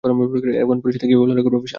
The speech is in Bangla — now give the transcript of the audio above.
এখন পরীর সাথে কীভাবে লড়াই করবো আমি, শামা?